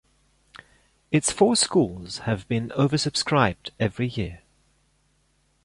Its four schools have been oversubscribed every year.